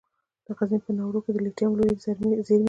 د غزني په ناوور کې د لیتیم لویې زیرمې دي.